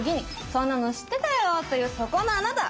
そんなの知ってたよというそこのあなた！